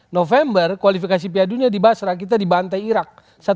november kualifikasi piadunya di basra kita di bantai irak